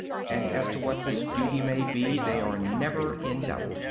And as to what this duty may be they are never in doubt.